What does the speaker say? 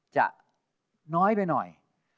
จะน้อยไปหน่อย